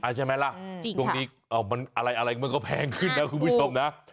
ใช่มั้ยล่ะตรงนี้อะไรมันก็แพงขึ้นนะคุณผู้ชมนะจริงจริง